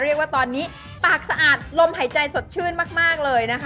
เรียกว่าตอนนี้ปากสะอาดลมหายใจสดชื่นมากเลยนะคะ